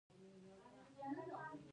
دوی کولی شول چې خپل پوروړي بندیان کړي.